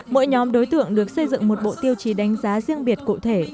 mỗi nhóm đối tượng được xây dựng một bộ tiêu chí đánh giá riêng biệt cụ thể